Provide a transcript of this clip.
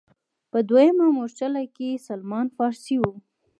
په دویمه مورچله کې سلمان فارسي و.